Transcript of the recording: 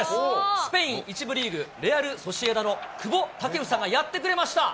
スペイン１部リーグ・レアル・ソシエダの久保建英がやってくれました。